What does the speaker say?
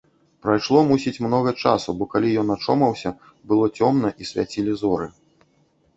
Прайшло, мусіць, многа часу, бо калі ён ачомаўся, было цёмна і свяцілі зоры.